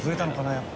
やっぱ。